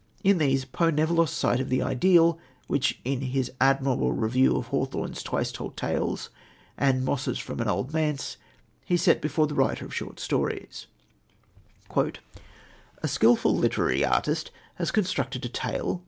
In these, Poe never lost sight of the ideal, which, in his admirable review of Hawthorne's Twice Told Tales and Mosses from an Old Manse, he set before the writer of short stories: "A skilful literary artist has constructed a tale